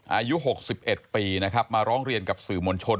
อายุ๖๑ปีนะครับมาร้องเรียนกับสื่อมวลชน